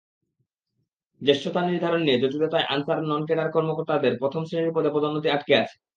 জ্যেষ্ঠতা নির্ধারণ নিয়ে জটিলতায় আনসারের নন-ক্যাডার কর্মকর্তাদের প্রথম শ্রেণির পদে পদোন্নতি আটকে আছে।